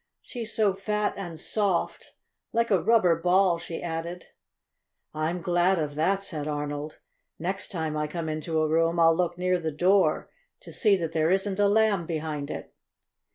"She's so fat and soft like a rubber ball," she added. "I'm glad of that," said Arnold. "Next time I come into a room I'll look near the door to see that there isn't a Lamb behind it."